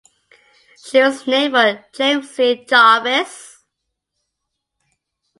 She was named for James C. Jarvis.